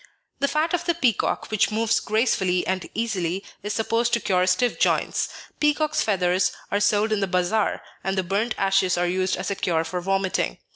The fat of the peacock, which moves gracefully and easily, is supposed to cure stiff joints. Peacock's feathers are sold in the bazaar, and the burnt ashes are used as a cure for vomiting.